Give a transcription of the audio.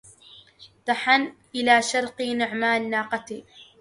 تحن إلى شرقي نعمان ناقتي